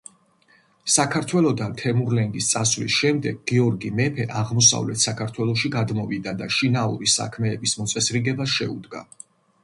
საქართველოდან თემურლენგის წასვლის შემდეგ გიორგი მეფე აღმოსავლეთ საქართველოში გადმოვიდა და შინაური საქმეების მოწესრიგებას შეუდგა.